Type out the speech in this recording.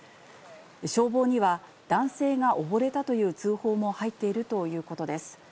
消防には、男性が溺れたという通報も入っているということです。